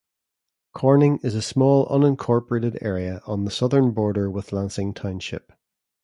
Corning is a small unincorporated area on the southern border with Lansing Township.